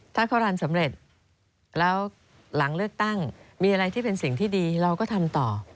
ถ้าเขารันสำเร็จแล้วหลังเลือกตั้งมีอะไรที่เป็นสิ่งที่ดีเราก็ทำต่อ